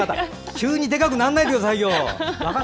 急にでかくなんないでください！